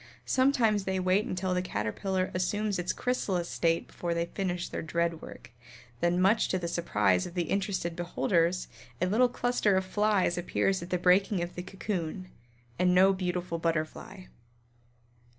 Sometimes they wait until the Caterpillar assumes its Chrysalis state before they finish their dread work, then much to the surprise of interested beholders, a little cluster of flies appears at the breaking of the cocoon, and no beautiful Butterfly.